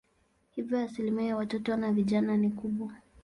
Hivyo asilimia ya watoto na vijana ni kubwa.